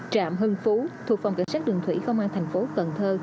trạm hưng phú thuộc phòng cảnh sát đường thủy công an thành phố cần thơ